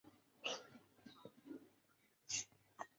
石宣因不满其父石虎较宠爱石韬而要除掉石韬。